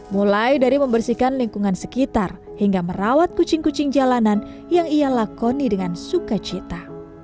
mulai dari membersihkan lingkungan sekitar hingga merawat kucing kucing jalanan yang ia lakoni dengan sukacita